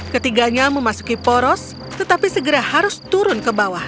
ketiganya memasuki poros tetapi segera harus turun ke bawah